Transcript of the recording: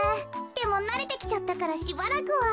でもなれてきちゃったからしばらくは。